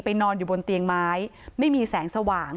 นอนอยู่บนเตียงไม้ไม่มีแสงสว่าง